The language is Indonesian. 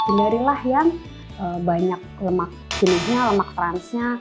pindahinlah yang banyak lemak jenuhnya lemak transnya